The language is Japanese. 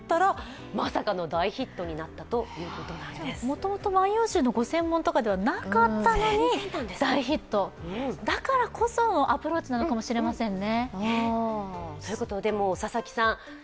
もともと「万葉集」のご専門ではなかったのに大ヒット、だからこそのアプローチなのかもしれませんね。